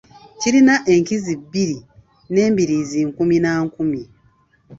Kirina enkizi bbiri n'embiriizi nkumi na nkumi.